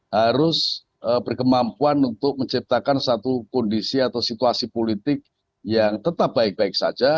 harus berkemampuan untuk menciptakan satu kondisi atau situasi politik yang tetap baik baik saja